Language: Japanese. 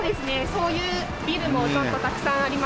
そういうビルもたくさんありますね。